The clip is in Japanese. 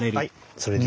それで。